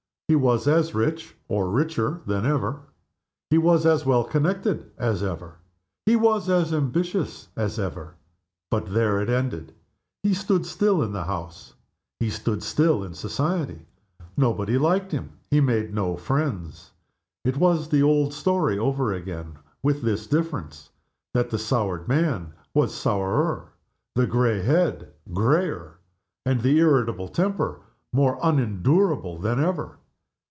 He was as rich, or richer, than ever. He was as well connected as ever. He was as ambitious as ever. But there it ended. He stood still in the House; he stood still in society; nobody liked him; he made no friends. It was all the old story over again, with this difference, that the soured man was sourer; the gray head, grayer; and the irritable temper more unendurable than ever.